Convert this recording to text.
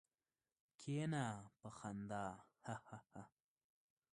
کېنه! په خندا هههه.